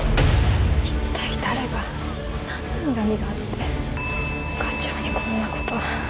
一体誰が何の恨みがあって課長にこんなこと。